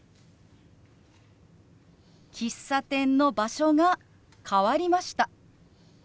「喫茶店の場所が変わりました」。